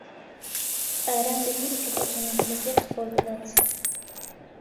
ئارام لەبیری کرد ئۆتۆمۆبیلەکەی قوفڵ بدات.